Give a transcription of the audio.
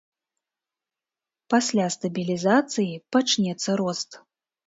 Пасля стабілізацыі пачнецца рост.